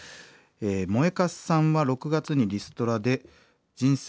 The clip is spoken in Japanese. もえかすさんは６月にリストラで人生